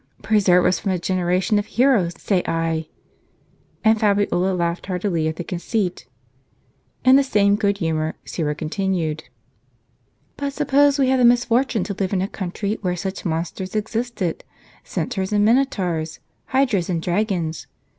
Preserve us from a generation of heroes, say I." And Fabiola laughed heartily at the conceit. In the same good humoi Syra continued :" But suppose we had the misfortune to live in a country where such monsters existed, centaurs and minotaurs, hydras and dragons.